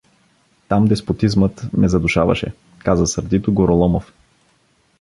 Там деспотизмът ме задушаваше — каза сърдито Гороломов.